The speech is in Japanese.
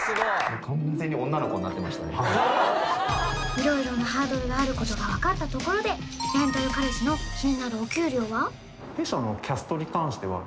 いろいろなハードルがあることが分かったところでレンタル彼氏の気になるお給料は？